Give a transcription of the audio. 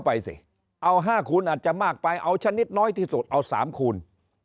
ไปสิเอา๕คูณอาจจะมากไปเอาชนิดน้อยที่สุดเอา๓คูณ